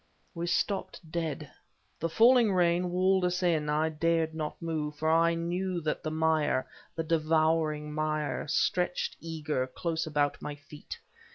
We stopped dead. The falling rain walled us in. I dared not move, for I knew that the mire, the devouring mire, stretched, eager, close about my feet.